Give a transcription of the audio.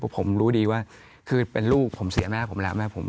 ผมรู้ดีว่าคือเป็นลูกผมเสียแม่ผมแล้วแม่ผม